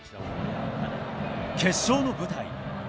決勝の舞台